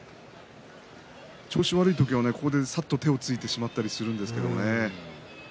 調子悪い時は、ここでさっと手をついてしまったりするんですけどね。